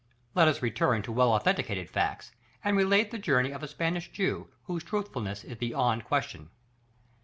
Let us return to well authenticated facts, and relate the journey of a Spanish Jew, whose truthfulness is beyond question.